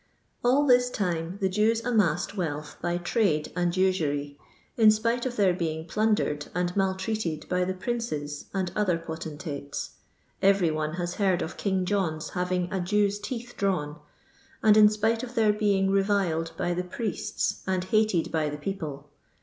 All this time the Jews amassed wealth by trade and vsuij, in spite of their beinff plundered and maltreated by the princes and other potentates — erery one hat heard of King John's having a Jew's teeth drawn — and in spite of their being reviled by the priests and bated by the people.